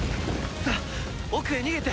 さあ奥へ逃げて！